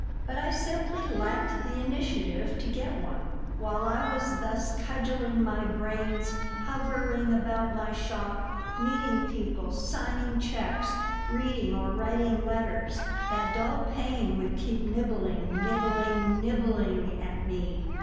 But I simply lacked the initiative to get one While I was thus cudgeling my brains, hovering about my shop, meeting people, signing checks, reading or writing letters, that dull pain would keep nibbling, nibbling, nibbling at me.